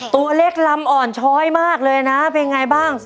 ตัวเล็กลำอ่อนช้อยมากเลยนะเป็นไงบ้าง